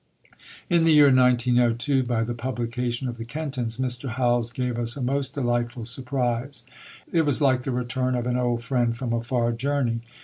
In the year 1902, by the publication of The Kentons, Mr. Howells gave us a most delightful surprise. It was like the return of an old friend from a far journey.